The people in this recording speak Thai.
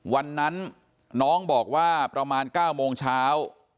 วันนั้นน้องบอกว่าประมาณ๙โมงเช้า